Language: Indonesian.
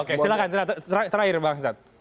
oke silahkan terakhir bang syad